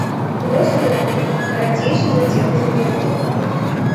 Хвост тонкі, карацейшы за цела з галавой.